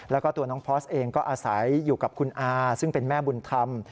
แล้วก็ตัวน้องพอร์สเองก็อาศัยอยู่กับคุณอาซึ่งเป็นแม่บุญธรรม